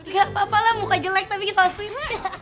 gak apa apalah muka jelek tapi bisa sweet